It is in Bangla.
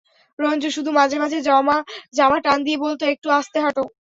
রঞ্জু শুধু মাঝে মাঝে জামা টান দিয়ে বলত, একটু আস্তে হাঁটো।